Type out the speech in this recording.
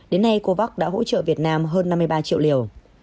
đến nay covax đã hỗ trợ việt nam hơn năm mươi ba triệu liều